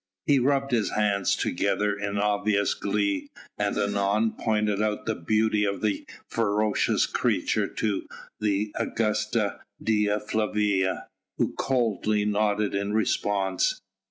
He rubbed his hands together in obvious glee, and anon pointed out the beauty of the ferocious creature to the Augusta Dea Flavia, who coldly nodded in response.